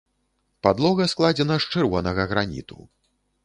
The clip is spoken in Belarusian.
Падлога складзена з чырвонага граніту.